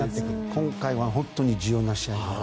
今回は本当に重要な試合。